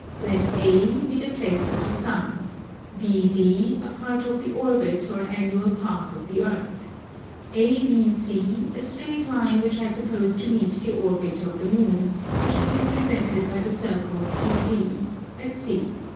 Let A be the place of the sun, BD a part of the orbit or annual path of the Earth: ABC a straight line which I suppose to meet the orbit of the Moon, which is represented by the circle CD, at C.